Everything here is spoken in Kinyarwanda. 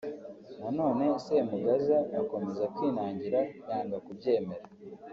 Na none Semugaza akomeza kwinangira yanga kubyemera